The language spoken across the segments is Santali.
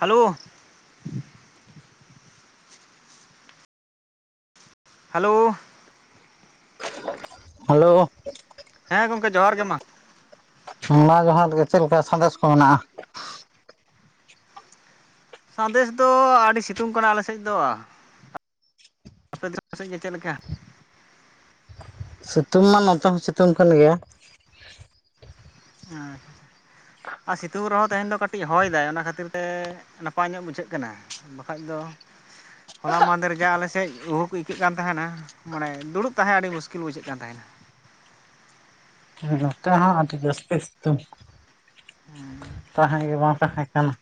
ᱦᱮᱞᱳ ᱦᱮᱞᱳ ᱦᱮᱞᱳ ᱦᱮᱸ ᱜᱚᱢᱠᱮ ᱡᱚᱦᱟᱨ ᱜᱮ ᱢᱟ ᱢᱟ ᱡᱚᱦᱟᱨ ᱜᱮ ᱪᱮᱫ ᱞᱮᱠᱟ ᱥᱟᱸᱫᱮᱥ ᱠᱚ ᱢᱮᱱᱟᱜᱼᱟ ᱥᱟᱸᱫᱮᱥ ᱫᱚ ᱟᱹᱰᱤ ᱥᱤᱛᱩᱝ ᱠᱟᱱᱟ ᱟᱞᱮ ᱥᱮᱫ ᱫᱚ ᱟᱯᱮ ᱫᱤᱥᱚᱢ ᱥᱮᱫ ᱜᱮ ᱪᱮᱫ ᱞᱮᱠᱟ ᱥᱤᱛᱩᱝ ᱢᱟ ᱱᱚᱛᱮ ᱦᱚᱸ ᱥᱤᱛᱩᱝ ᱠᱟᱱ ᱜᱮᱭᱟ [unintelligible] ᱟᱨ ᱥᱤᱛᱩᱝ ᱨᱮᱦᱚᱸ ᱛᱮᱦᱮᱧ ᱫᱚ ᱠᱟᱹᱴᱤᱡ ᱦᱚᱭ ᱫᱟᱭ ᱚᱱᱟ ᱠᱷᱟᱹᱛᱤᱨ ᱛᱮ ᱱᱟᱯᱟᱭ ᱧᱚᱜ ᱵᱩᱡᱷᱟᱹᱜ ᱠᱟᱱᱟ ᱵᱟᱠᱷᱟᱡ ᱫᱚ ᱦᱳᱞᱟ ᱢᱟᱦᱫᱮᱨ ᱡᱟ ᱟᱞᱮ ᱥᱮᱫ ᱩᱦᱩᱜ ᱟᱹᱭᱠᱟᱹᱜ ᱠᱟᱱ ᱛᱟᱦᱮᱱᱟ ᱢᱟᱱᱮ ᱫᱩᱲᱩᱵ ᱛᱟᱦᱮᱸ ᱟᱹᱰᱤ ᱢᱩᱥᱠᱤᱞ ᱵᱩᱡᱷᱟᱹᱜ ᱠᱟᱱ ᱛᱟᱦᱮ ᱱᱟ ᱦᱮ ᱱᱚᱛᱮ ᱦᱚᱸ ᱟᱹᱰᱤ ᱡᱟᱹᱥᱛᱤ ᱥᱤᱛᱩᱝ ᱛᱟᱦᱮᱸ ᱜᱮ ᱵᱟᱝ ᱛᱟᱦᱮᱸ ᱠᱟᱱᱟ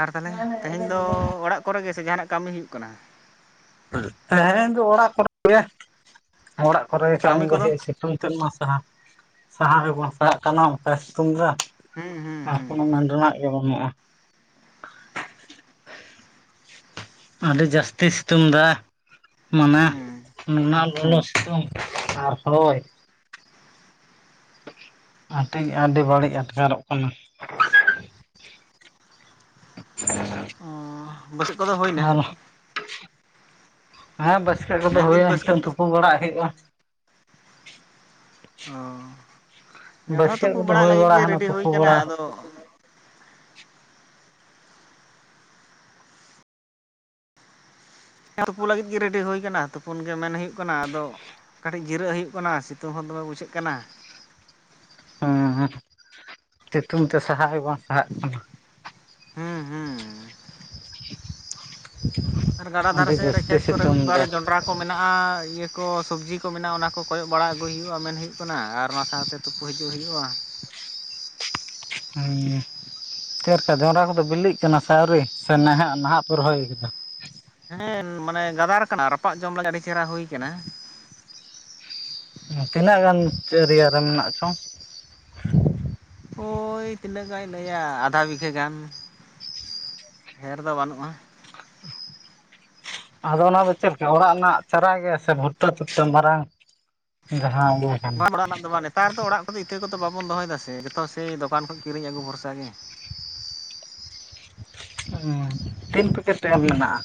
ᱟᱨ ᱛᱟᱦᱚᱞᱮ ᱛᱮᱦᱮᱧ ᱫᱚ ᱚᱲᱟᱜ ᱠᱚᱨᱮ ᱜᱮ ᱥᱮ ᱡᱟᱦᱟ ᱱᱟᱜ ᱠᱟᱹᱢᱤ ᱦᱩᱭᱩᱜ ᱠᱟᱱᱟ ᱦᱮᱸ ᱛᱮᱦᱮᱧ ᱫᱚ ᱚᱲᱟᱜ ᱠᱚᱨᱮ ᱜᱮ ᱚᱲᱟᱜ ᱠᱚᱨᱮ ᱜᱮ ᱠᱟ. ᱠᱟᱹᱢᱤ ᱢᱤ ᱠᱚᱫᱚ ᱥᱤᱛᱩᱝ ᱥᱤᱛᱩᱝ ᱢᱟ ᱥᱟᱦᱟᱣ ᱜᱮ ᱵᱟᱝ ᱥᱟᱦᱟᱜ ᱠᱟᱱᱟ ᱚᱱᱠᱟᱭ ᱥᱤᱛᱩᱝ ᱮᱫᱟ ᱦᱩᱸ ᱦᱩᱸ ᱟᱨ ᱦᱩᱸ ᱠᱚᱱᱳ ᱢᱮᱱ ᱨᱮᱱᱟᱜ ᱜᱮ ᱵᱟᱹᱱᱩᱜᱼᱟ ᱟᱹᱰᱤ ᱡᱟᱹᱥᱛᱤ ᱥᱤᱛᱩᱝ ᱫᱟ ᱢᱟᱱᱮ ᱦᱩᱸ ᱱᱚᱭᱟ ᱞᱚᱞᱚ ᱥᱤᱛᱩᱝ ᱟᱨ ᱦᱳᱭ ᱟᱴᱤ ᱟᱹᱰᱤ ᱵᱟᱹᱲᱤᱡ ᱟᱴᱠᱟᱨᱚᱜ ᱠᱟᱱᱟ [inaudible] ᱵᱟ. ᱛ ᱥᱮᱫ ᱠᱚᱫᱚ ᱦᱳᱭ ᱟᱨ ᱟᱨ ᱵᱟ. ᱥᱠᱟᱹᱜ ᱠᱚᱫᱚ ᱢᱮᱱᱫᱟᱹᱧ ᱦᱩᱭᱱᱟ ᱵᱟᱹᱥᱠᱟᱹ ᱱᱤᱛᱚᱜ ᱠᱚᱫᱚ ᱛᱩᱯᱩ ᱵᱟᱲᱟᱜ ᱦᱩᱭᱩᱜᱼᱟ ᱚ ᱱᱮᱰ ᱦᱚᱸ ᱵᱟᱹᱥᱟᱹ ᱛᱩᱯᱩ ᱠᱚᱫᱚ ᱵᱟᱲᱟᱜ ᱦᱩᱭ ᱞᱟᱹᱜᱤᱫ ᱜᱮ ᱵᱟᱲᱟᱦᱟᱱᱟ ᱨᱮᱰᱤ ᱦᱩᱭ ᱛᱩᱯᱩ ᱠᱟᱱᱟ ᱵᱟᱲᱟ ᱟᱫᱚ ᱦᱮ ᱛᱩᱯᱩ ᱞᱟᱹᱜᱤᱫ ᱜᱮ ᱨᱮᱰᱤ ᱦᱩᱭ ᱠᱟᱱᱟ ᱛᱩᱯᱩᱱ ᱜᱮ ᱢᱮᱱ ᱦᱩᱭᱩᱜ ᱠᱟᱱᱟ ᱟᱫᱚ ᱠᱟᱹᱴᱤᱡ ᱡᱤᱨᱟᱹᱜ ᱦᱩᱭᱩᱜ ᱠᱟᱱᱟ ᱥᱤᱛᱩᱝ ᱦᱚᱸ ᱫᱚᱢᱮ ᱵᱩᱡᱷᱟᱹᱜ ᱠᱟᱱᱟ ᱦᱮᱸ ᱦᱮᱸᱥᱤᱛᱩᱝ ᱛᱮ ᱥᱟᱦᱟᱣ ᱜᱮ ᱵᱟᱝ ᱥᱟᱦᱟᱜ ᱠᱟᱱᱟ ᱦᱩᱸ ᱦᱩᱸ [inaudible] ᱟᱨ ᱜᱟᱰᱟ ᱫᱷᱟᱨᱮ ᱟᱹᱰᱤ ᱥᱮᱫ ᱨᱮ ᱡᱟᱹᱥᱛᱤ ᱠᱷᱮᱛ ᱠᱚᱨᱮ ᱥᱤᱛᱩᱝ ᱢᱤᱫ ᱵᱟᱨ ᱫᱟᱭ ᱡᱚᱸᱰᱨᱟ ᱠᱚ ᱢᱮᱱᱟᱜᱼᱟ ᱤᱭᱟᱹ ᱠᱚ ᱥᱚᱵᱡᱤ ᱠᱚ ᱢᱮᱱᱟᱜᱼᱟ ᱚᱱᱟ ᱠᱚ ᱠᱚᱭᱚᱜ ᱵᱟᱲᱟ ᱟᱹᱜᱩᱭ ᱦᱩᱭᱩᱜᱼᱟ ᱢᱮᱱ ᱦᱩᱭᱩᱜ ᱠᱟᱱᱟ ᱟᱨ ᱚᱱᱟ ᱥᱟᱶ ᱛᱮ ᱛᱩᱯᱩ ᱦᱤᱡᱩᱜ ᱦᱩᱭᱩᱜᱼᱟ ᱦᱩᱸ ᱪᱮᱫ ᱞᱮᱠᱟ ᱡᱚᱱᱰᱨᱟ ᱠᱚᱫᱚ ᱵᱤᱞᱤᱜ ᱠᱟᱱᱟ ᱥᱮ ᱟᱣᱨᱤ ᱥᱮ ᱱᱟᱦᱟᱜ ᱱᱟᱦᱟᱜ ᱯᱮ ᱨᱚᱦᱚᱭ ᱠᱟᱫᱟ ᱦᱮᱸ ᱢᱟᱱᱮ ᱜᱟᱫᱟᱨ ᱠᱟᱱᱟ ᱨᱟᱯᱟᱜ ᱡᱚᱢ ᱞᱟᱹᱜᱤᱫ ᱟᱹᱰᱤ ᱪᱮᱦᱨᱟ ᱦᱩᱭ ᱠᱟᱱᱟ ᱛᱤᱱᱟᱹᱜ ᱜᱟᱱ ᱮᱨᱤᱭᱟ ᱨᱮ ᱢᱮᱱᱟᱜ ᱪᱚᱝ ᱳᱭ ᱛᱤᱱᱟᱹᱜ ᱜᱟᱱ ᱞᱟᱹᱭᱟ ᱟᱫᱷᱟ ᱵᱤᱜᱷᱟᱹ ᱜᱟᱱ ᱰᱷᱮᱨ ᱫᱚ ᱵᱟᱹᱱᱩᱜᱼᱟ ᱟᱫᱚ ᱚᱱᱟ ᱫᱚ ᱪᱮᱫ ᱞᱮᱠᱟ ᱚᱲᱟᱜ ᱨᱮᱱᱟᱜ ᱪᱟᱨᱟ ᱜᱮ ᱥᱮ ᱵᱷᱩᱨᱛᱟᱹ ᱛᱩᱨᱛᱟᱹ ᱢᱟᱨᱟᱝ ᱡᱟᱦᱟᱸ ᱤᱭᱟᱹ ᱠᱟᱱᱟ ᱵᱟᱝ ᱚᱲᱟᱜ ᱨᱮᱱᱟᱜ ᱫᱚ ᱵᱟᱝ ᱱᱮᱛᱟᱨ ᱫᱚ ᱚᱲᱟᱜ ᱠᱚ ᱫᱚ ᱤᱛᱟᱹ ᱠᱚ ᱫᱚ ᱵᱟᱵᱚᱱ ᱫᱚᱦᱚᱭ ᱫᱟ ᱥᱮ ᱡᱚᱛᱚ ᱥᱮᱭ ᱫᱚᱠᱟᱱ ᱠᱷᱚᱱ ᱠᱤᱨᱤᱧ ᱟᱹᱜᱩ ᱵᱷᱚᱨᱥᱟ ᱜᱮ ᱛᱤᱱ ᱯᱮᱠᱮᱴ [unintelligible] ᱢᱮᱱᱟᱜᱼᱟ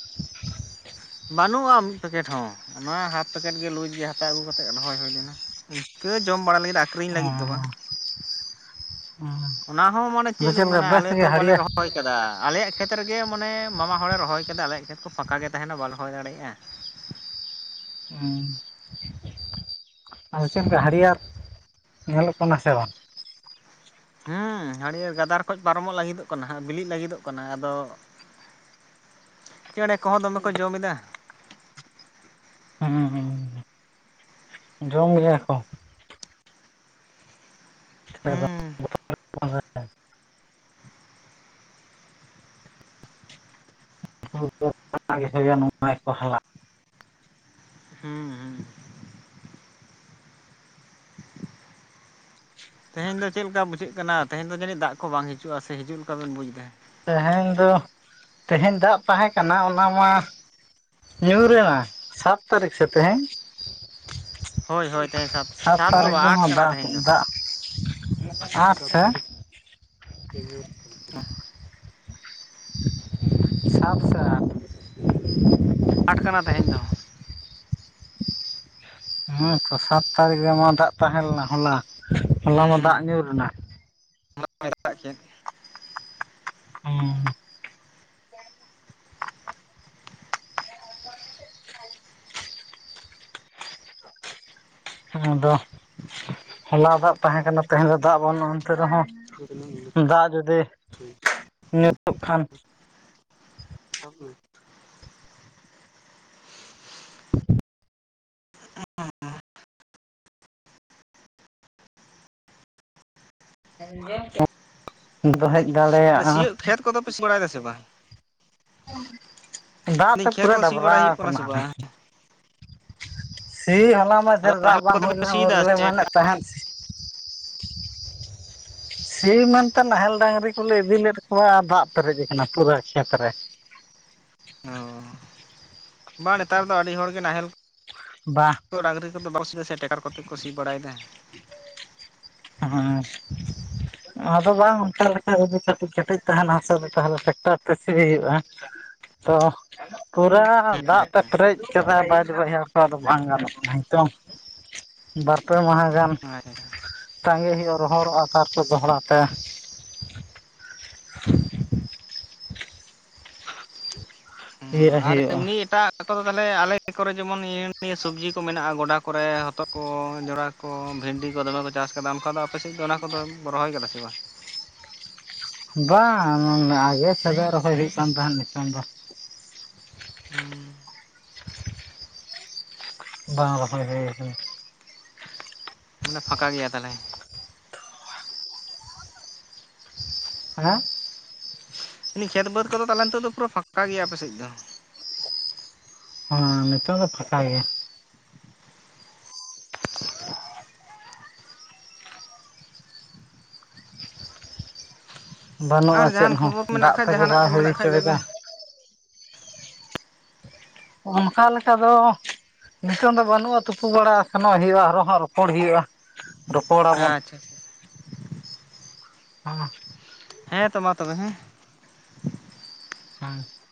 ᱵᱟᱹᱱᱩᱜᱼᱟ ᱢᱤᱫ ᱯᱮᱠᱮᱴ ᱦᱚᱸ ᱚᱱᱟ ᱦᱟᱯ ᱯᱮᱠᱮᱴ ᱜᱮ ᱞᱩᱡ ᱜᱮ ᱦᱟᱛᱟᱣ ᱟᱹᱜᱩ ᱠᱟᱛᱮᱫ ᱨᱚᱦᱚᱭ ᱦᱩᱭ ᱞᱮᱱᱟ ᱤᱱᱠᱟᱹ ᱡᱚᱢ ᱵᱟᱲᱟ ᱞᱟᱹᱜᱤᱫ ᱟᱠᱷᱨᱤᱧ ᱞᱟᱹᱜᱤᱫ ᱫᱚ ᱵᱟ ᱦᱩᱸ ᱚᱱᱟ ᱦᱚᱸ ᱢᱟᱱᱮ ᱟᱫᱚ ᱪᱮᱫ ᱞᱤᱧ ᱞᱮᱠᱟ ᱢᱮᱱᱟ ᱵᱮᱥ ᱟᱞᱮ ᱜᱮ ᱫᱚ ᱵᱟᱞᱮ ᱦᱟᱹᱨᱭᱟᱹᱲ ᱨᱚᱦᱚᱭ ᱨᱚᱦᱚᱭ ᱠᱟᱫᱟ ᱟᱞᱮᱭᱟᱜ ᱠᱷᱮᱛ ᱨᱮᱜᱮ ᱢᱟᱱᱮ ᱢᱟᱢᱟ ᱦᱚᱲᱮ ᱨᱚᱦᱚᱭ ᱠᱟᱫᱟ ᱟᱞᱮᱭᱟᱜ ᱠᱷᱮᱛ ᱠᱚ ᱯᱷᱟᱸᱠᱟ ᱜᱮ ᱛᱟᱦᱮ ᱱᱟ ᱵᱟᱞ ᱨᱚ ᱦᱳᱭ ᱟᱲᱮᱭᱟᱜᱼᱟ ᱦᱮᱸ ᱟᱫᱚ ᱪᱮᱫᱠᱟ ᱦᱟᱹᱨᱭᱟᱹᱨ ᱧᱮᱞᱚᱜ ᱠᱟᱱᱟ ᱥᱮ ᱵᱟᱝ ᱦᱮᱸ ᱦᱟ. ᱨᱭᱟ. ᱨ ᱜᱟᱫᱟᱨ ᱠᱷᱚᱱ ᱯᱟᱨᱚᱢᱚᱜ ᱞᱟᱹᱜᱤ ᱫᱚᱜ ᱠᱟᱱᱟ ᱵᱤᱞᱤᱜ ᱞᱟᱹᱜᱤ ᱫᱚᱜ ᱠᱟᱱᱟ ᱟᱫᱚ ᱪᱮᱬᱮ ᱠᱚᱦᱚ ᱫᱚᱢᱮ ᱠᱚ ᱡᱚᱢ ᱮᱫᱟ ᱦᱩᱸ ᱦᱩᱸ ᱡᱚᱢ ᱜᱮᱭᱟ ᱠᱚ ᱪᱮᱫᱟᱜ ᱵᱟᱝ ᱦᱮᱸ [unintelligible] ᱱᱚᱝᱠᱟᱭ ᱵᱟᱦᱟᱞᱟ ᱦᱩᱸ ᱦᱩᱸ ᱛᱮᱦᱮᱧ ᱫᱚ ᱪᱮᱫ ᱞᱮᱠᱟ ᱵᱩᱡᱷᱟᱹᱜ ᱠᱟᱱᱟ ᱛᱮᱦᱮᱧ ᱫᱚ ᱡᱟᱹᱱᱤᱡ ᱫᱟᱜ ᱠᱚ ᱵᱟᱝ ᱦᱤᱡᱩᱜᱼᱟ ᱥᱮ ᱦᱤᱡᱩᱜ ᱞᱮᱠᱟ ᱵᱮᱱ ᱵᱩᱡᱽ ᱮᱫᱟ ᱛᱮᱦᱮᱧ ᱫᱚ ᱛᱮᱦᱮᱧ ᱫᱟᱜ ᱛᱟᱦᱮᱸ ᱠᱟᱱᱟ ᱚᱱᱟ ᱢᱟ ᱧᱩᱨᱮᱱᱟ ᱥᱟᱛ ᱛᱟᱹᱨᱤᱠᱷ ᱥᱮ ᱛᱮᱦᱮᱸᱧ ᱦᱳᱭ ᱦᱳᱭ ᱛᱮᱦᱮᱧ ᱥᱟᱛ ᱛᱟᱹᱨᱤᱠᱷ ᱵᱟᱝ ᱫᱚ ᱟᱴ ᱠᱟᱱᱟ ᱫᱟᱜ ᱫᱟᱜ ᱟᱴ ᱥᱟᱛ ᱥᱮ ᱛᱟᱨᱤᱠ ᱦᱤᱡᱩᱜ [unintelligible] ᱥᱟᱛ ᱥᱟᱴ ᱟᱴ ᱠᱟᱱᱟ ᱛᱮᱦᱮᱧ ᱫᱚ ᱩᱱᱟᱜ ᱛᱚ ᱥᱟᱛ ᱛᱟᱹᱨᱤᱠᱷ ᱨᱮᱢᱟ ᱫᱟᱜ ᱛᱟᱦᱮᱸ ᱞᱮᱱᱟ ᱦᱚᱞᱟ ᱦᱚᱞᱟ ᱢᱟ ᱦᱮᱸ ᱫᱟᱜ ᱧᱩᱨ ᱮᱱᱟ [unintelligible] [unintelligible] [inaudible] ᱟᱫᱚ ᱦᱚᱞᱟ ᱫᱟᱜ ᱛᱟᱦᱮᱸ ᱠᱟᱱᱟ ᱛᱟᱦᱮᱸᱦᱮ ᱫᱚ ᱫᱟᱜ ᱵᱟᱹᱱᱩᱜᱼᱟ ᱮᱱᱛᱮ ᱨᱮᱦᱚᱸ ᱫᱟᱜ ᱡᱩᱫᱤ ᱧᱩᱨᱩᱜ ᱠᱷᱟᱱ ᱥᱟᱵ ᱢᱮ [inaudible] ᱫᱚ ᱦᱮᱡ ᱫᱟᱱᱟᱟᱲᱮ ᱥᱤᱭᱳᱜ ᱠᱷᱮᱛ ᱠᱚᱫᱚᱯᱮ ᱥᱤ ᱵᱟᱲᱟᱭᱮᱫᱟ ᱥᱮ ᱵᱟᱝ ᱫᱟᱜ ᱢᱮᱱᱫᱟᱹᱧ ᱛᱮ ᱠᱷᱮᱛ ᱯᱩᱨᱟᱹ ᱠᱚ ᱥᱤ ᱰᱟᱵᱨᱟ ᱵᱟᱲᱟᱭ ᱦᱩᱭᱩᱜ ᱠᱟᱱᱟ ᱥᱮ ᱟᱠᱟᱱᱟ ᱵᱟᱝ? ᱥᱤ ᱦᱚᱞᱟ ᱟᱫᱚ ᱢᱟᱫᱷᱮᱨ ᱫᱟᱜ ᱱᱟᱦᱮᱞ ᱵᱟᱝ ᱠᱚᱛᱮ ᱯᱮ ᱦᱩᱭᱞᱮᱱᱟ ᱩᱱ ᱥᱤᱭᱮᱫᱟ ᱨᱮ ᱥᱮ ᱢᱮᱱᱮᱫ ᱛᱟᱦᱮᱱ ᱥᱤ ᱢᱮᱱᱛᱮ ᱱᱟᱦᱮᱞ ᱰᱟᱝᱨᱤ ᱠᱚᱞᱮ ᱤᱫᱤ ᱞᱮᱫ ᱠᱚᱣᱟ ᱫᱟᱜ ᱯᱮᱨᱮᱡ ᱟᱠᱟᱱᱟ ᱯᱩᱨᱟᱹ ᱠᱷᱮᱛ ᱨᱮ ᱚ ᱵᱟᱝ ᱱᱮᱛᱟᱨ ᱫᱚ ᱟᱹᱰᱤ ᱦᱚᱲ ᱜᱮ ᱱᱟᱦᱮᱞ ᱵᱟᱜ ᱰᱟᱝᱨᱤ ᱠᱚᱫᱚ ᱵᱟᱠᱚ ᱥᱮ ᱮᱫᱟ ᱥᱮ ᱴᱮᱠᱟᱨ ᱠᱚᱛᱮ ᱠᱚ ᱥᱤ ᱵᱟᱲᱟᱭᱮᱫᱟ [unintelligible] ᱟᱫᱚ ᱵᱟᱝ ᱚᱱᱠᱟ ᱞᱮᱠᱟ ᱡᱩᱫᱤ ᱠᱮᱹᱴᱮᱡ ᱛᱟᱦᱮᱱᱟ ᱦᱤᱥᱟᱹᱵᱽ ᱛᱟᱦᱚᱞᱮ ᱴᱨᱟᱠᱴᱟᱨ ᱛᱮ ᱥᱤ ᱦᱩᱭᱩᱜᱼᱟ ᱛᱚ ᱯᱩᱨᱟᱹ ᱫᱟᱜ ᱛᱮ ᱯᱮᱨᱮᱡ ᱠᱮᱫᱟᱭ ᱯᱟᱪ ᱵᱟᱲᱭᱟ. ᱦᱟᱥᱟ ᱫᱚ ᱵᱟᱝ ᱜᱟᱱᱚᱜ ᱠᱟᱱᱪᱚᱝ ᱵᱟᱨᱯᱮ ᱢᱟᱦᱟ ᱜᱟᱱ [unintelligible] ᱛᱟᱸᱜᱮ ᱦᱳᱭᱳᱜᱼᱟ ᱨᱚᱦᱚᱨᱚᱜᱼᱟ ᱛᱟᱨᱯᱚᱨᱮ ᱫᱚᱦᱲᱟ ᱛᱮ [inaudible] ᱦᱳᱭᱳᱜᱼᱟ ᱦᱳᱭᱳᱜᱼᱟ ᱟᱠᱚ ᱫᱚ ᱛᱟᱦᱚᱞᱮ ᱟᱞᱮ ᱠᱚᱨᱮ ᱡᱮᱢᱚᱱ ᱤᱭᱟ ᱱᱤᱭᱟᱹ ᱥᱚᱵᱡᱤ ᱠᱚ ᱢᱮᱱᱟᱜᱼᱟ ᱜᱚᱰᱟ ᱠᱚᱨᱮ ᱦᱚᱛᱚᱛ ᱠᱚ ᱡᱚᱲᱟ ᱠᱚ ᱵᱷᱤᱱᱰᱤ ᱠᱚ ᱫᱚᱢᱮ ᱠᱚ ᱪᱟᱥ ᱟᱠᱟᱫᱟ ᱚᱱᱠᱟ ᱫᱚ ᱟᱯᱮ ᱥᱮᱫ ᱫᱚ ᱚᱱᱟ ᱠᱚᱫᱚ ᱨᱚᱦᱚᱭ ᱟᱠᱟᱫᱟ ᱥᱮ ᱵᱟᱝ ᱵᱟᱝ ᱜᱮ [unintelligible] ᱨᱚᱦᱚᱭ ᱦᱩᱭᱩᱜ ᱠᱟᱱ ᱛᱟᱦᱮᱸᱫ ᱱᱤᱛᱚᱝ ᱫᱚ ᱦᱩᱸ ᱵᱟᱝ ᱨᱚᱦᱚᱭ ᱦᱩᱭ ᱟᱠᱟᱱᱟ᱾ ᱢᱟᱱᱮ ᱯᱷᱟᱸᱠᱟ ᱜᱮᱭᱟ ᱛᱟᱞᱦᱮ ᱦᱟᱸ [unintelligible] ᱠᱷᱮᱛ ᱵᱟᱹᱫᱽ ᱠᱚᱫᱚ ᱛᱟᱦᱮ ᱱᱤᱛᱳᱜ ᱫᱚ ᱯᱩᱨᱟᱹ ᱯᱷᱟᱸᱠᱟ ᱜᱮᱭᱟ ᱟᱯᱮ ᱥᱮᱫ ᱫᱚ ᱦᱮᱸ ᱱᱤᱛᱚᱜ ᱫᱚ ᱯᱷᱟᱠᱟ ᱜᱮᱭᱟ ᱵᱟᱹᱱᱩᱜ-ᱟ ᱟᱨ ᱪᱮᱫ ᱡᱟᱦᱟᱱ ᱦᱚᱸ ᱠᱷᱚᱵᱚᱨ ᱠᱚ ᱫᱟᱜ ᱢᱮᱱᱟᱜ ᱠᱷᱟᱡ ᱛᱮᱜᱮ ᱡᱟᱦᱟᱱᱟᱜ ᱵᱟᱭ ᱠᱚ ᱦᱩᱭ ᱢᱮᱱᱟᱜ ᱠᱷᱟᱡ ᱦᱚᱪᱚᱭ ᱞᱟᱹᱭ ᱫᱟ ᱵᱮᱱ ᱚᱱᱠᱟ ᱞᱮᱠᱟ ᱫᱚ ᱱᱤᱛᱚᱝ ᱫᱚ ᱵᱟᱹᱱᱩᱜ-ᱟ ᱛᱩᱯᱩ ᱵᱟᱲᱟ ᱥᱮᱱᱚᱜ ᱦᱩᱭᱩᱜ-ᱟ ᱟᱨᱚ ᱦᱟᱸ ᱨᱚᱯᱚᱲ ᱦᱩᱭᱩᱜ-ᱟ ᱨᱚᱯᱚᱲᱟ ᱵᱚᱱ [unintelligible] ᱚᱻ ᱦᱮᱸ ᱛᱚ ᱢᱟ ᱛᱚᱵᱮ ᱦᱮᱸ [unintelligible]